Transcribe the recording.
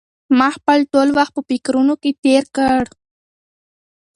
ما خپل ټول وخت په فکرونو کې تېر کړ.